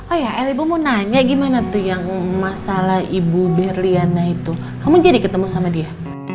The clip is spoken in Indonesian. oh ya el ibu mau nanya gimana tuh yang masalah ibu berliana itu kamu jadi ketemu sama dia